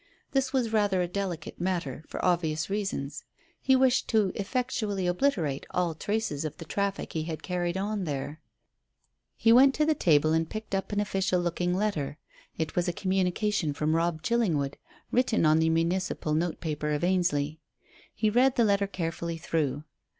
This was rather a delicate matter for obvious reasons. He wished to effectually obliterate all traces of the traffic he had carried on there. He went back to the table and picked up an official looking letter. It was a communication from Robb Chillingwood, written on the municipal notepaper of Ainsley. He read the letter carefully through.